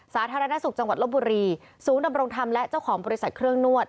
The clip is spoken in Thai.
สาธารณสุขจังหวัดลบบุรีศูนย์ดำรงธรรมและเจ้าของบริษัทเครื่องนวด